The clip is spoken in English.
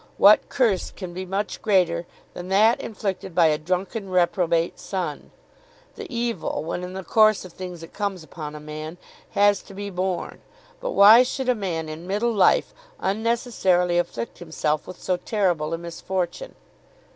What curse can be much greater than that inflicted by a drunken, reprobate son? The evil, when in the course of things it comes upon a man, has to be borne; but why should a man in middle life unnecessarily afflict himself with so terrible a misfortune?